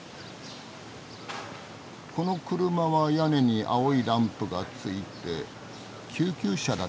この車は屋根に青いランプがついて救急車だったのかな？